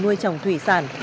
nuôi trồng thủy sản